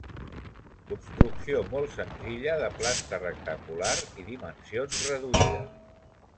Construcció molt senzilla de planta rectangular i dimensions reduïdes.